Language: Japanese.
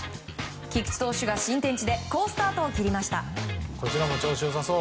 菊池投手が新天地で好スタートを切りました。